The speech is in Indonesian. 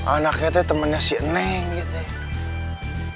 anaknya teh temennya si neng gitu ya